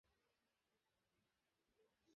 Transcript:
তদুপরি খাদ্যসঙ্কট কিংবা জনবলের কমতি তাদের ছিল না।